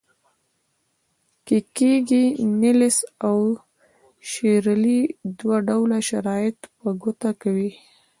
کیکیري، نیلیس او شیرلي دوه ډوله شرایط په ګوته کوي.